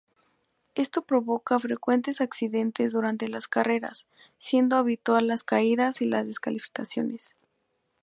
Esto provoca frecuentes accidentes durante las carreras, siendo habitual las caídas y las descalificaciones.